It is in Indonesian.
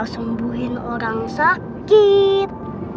sembuhin orang sakit